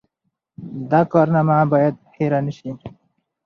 دا کارنامه باید هېره نه سي.